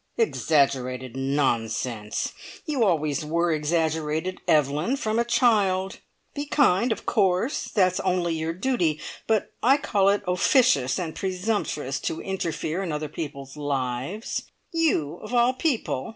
"Exaggerated nonsense! You always were exaggerated, Evelyn, from a child. Be kind, of course; that's only your duty, but I call it officious and presumptuous to interfere in other people's lives. You of all people!